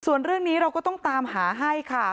ส่วนเรื่องนี้เราก็ต้องตามหาให้ค่ะ